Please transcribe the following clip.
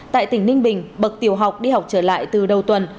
tại tỉnh ninh bình bậc tiểu học đi học trở lại từ đầu tuần